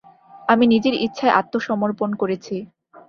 আমি নিজের ইচ্ছায় আত্মসমর্পণ করেছি।